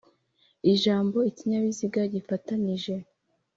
Ijambo ikinyabiziga gifatanije